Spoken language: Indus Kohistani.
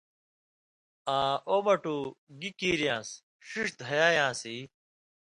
”آں او مٹُو، گی کیریان٘س ݜِݜ دھیایان٘س ای“